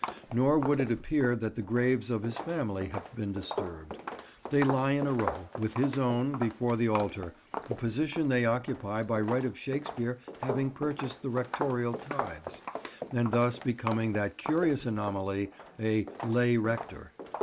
Nor would it appear that the graves of his family have been disturbed. They lie in a row, with his own, before the altar, a position they occupy by right of Shakespeare having purchased the rectorial tithes, and thus becoming that curious anomaly, a "lay rector."